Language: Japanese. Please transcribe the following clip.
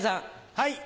はい。